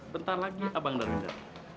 bentar lagi abang darwin datang